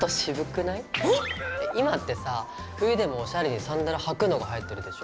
今ってさ冬でもおしゃれにサンダル履くのがはやってるでしょ？